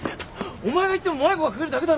お前が行っても迷子が増えるだけだろ。